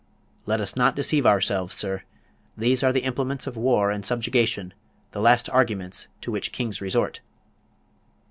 Let us not deceive ourselves, sir. These are the implements of war and subjugation, the last "arguments" to which kings resort.